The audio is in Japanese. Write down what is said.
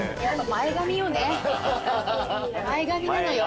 前髪なのよ